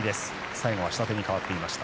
最後は下手に変わっていました。